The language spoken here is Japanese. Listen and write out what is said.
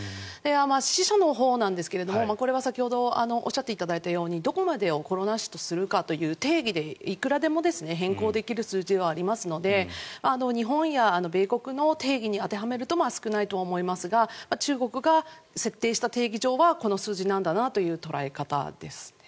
死者のほうなんですがこれは先ほどおっしゃっていただいたようにどこまでをコロナ死とするかという定義でいくらでも変更できる数字ではありますので日本や米国の定義に当てはめると少ないとは思いますが中国が設定した定義上はこの数字なんだなという捉え方です。